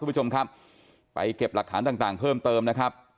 ผู้ชมครับไปเก็บหลักฐานต่างต่างเพิ่มเติมนะครับ